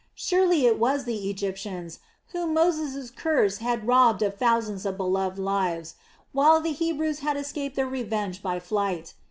Surely it was the Egyptians whom Moses' curse had robbed of thousands of beloved lives, while the Hebrews had escaped their revenge by flight.